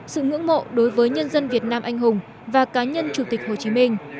sự ngưỡng mộ đối với nhân dân việt nam anh hùng và cá nhân chủ tịch hồ chí minh